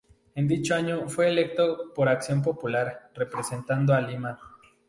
En dicho año fue electo como por Acción Popular, representando a Lima.